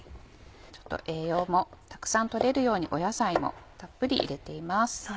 栄養もたくさん取れるように野菜もたっぷり入れています。